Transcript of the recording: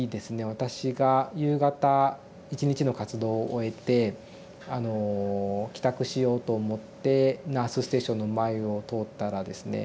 私が夕方一日の活動を終えて帰宅しようと思ってナースステーションの前を通ったらですね